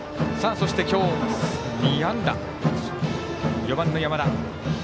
そして今日２安打、４番の山田。